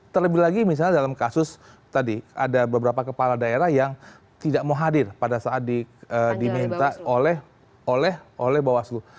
terlebih lagi misalnya dalam kasus tadi ada beberapa kepala daerah yang tidak mau hadir pada saat diminta oleh bawaslu